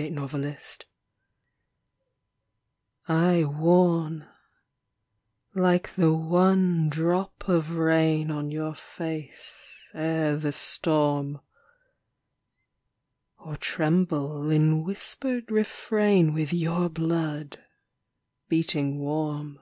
THE VOICE OF THE VOID I warn, like the one drop of rain On your face, ere the storm; Or tremble in whispered refrain With your blood, beating warm.